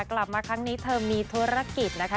กลับมาครั้งนี้เธอมีธุรกิจนะคะ